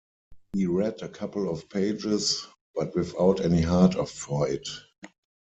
He read a couple of pages, but without any heart for it.